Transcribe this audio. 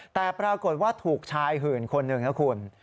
แต่ปรากฏว่าถูกชายหื่นคนหนึ่งนะคุณ